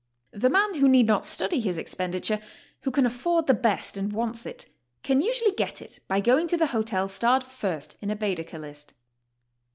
The man who need not study his expenditure, who can afford the best and wants it, can usually get it by going to the hotel starred first in a Baedeker list.